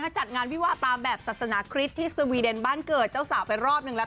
จัดงานวิวาตามแบบศาสนาคริสต์ที่สวีเดนบ้านเกิดเจ้าสาวไปรอบนึงแล้ว